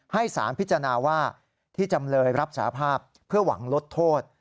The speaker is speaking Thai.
ให้สารพิจารณาว่าที่จำเลยรับสาภาพเพื่อหวังลดโทษ